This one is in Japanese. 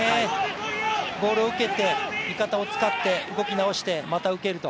ボールを受けて、味方を使って動き直して、また受けると。